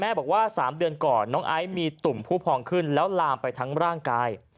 บอกว่า๓เดือนก่อนน้องไอซ์มีตุ่มผู้พองขึ้นแล้วลามไปทั้งร่างกาย